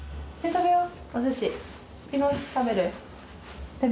食べよう。